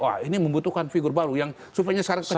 wah ini membutuhkan figur baru yang sofinya sekarang kecil